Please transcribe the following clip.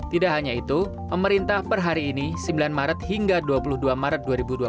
tidak hanya itu pemerintah per hari ini sembilan maret hingga dua puluh dua maret dua ribu dua puluh